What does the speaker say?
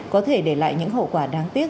có thể để lại những hậu quả đáng tiếc